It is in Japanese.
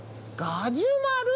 ガジュマル？